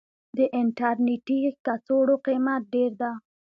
د انټرنيټي کڅوړو قيمت ډير ده.